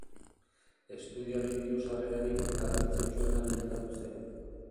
Estudioaren diru sarrerarik garrantzitsuena bilakatu zen.